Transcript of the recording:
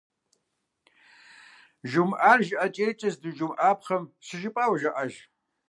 Жумыӏар жыӏэкӏейкӏэ здыжумыӏапхъэм щыжыпӏауэ жаӏащ.